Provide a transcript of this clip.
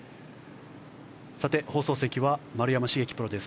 さて、放送席は丸山茂樹プロです。